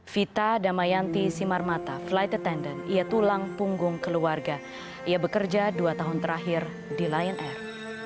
vita damayanti simarmata flight attendant ia tulang punggung keluarga ia bekerja dua tahun terakhir di lion air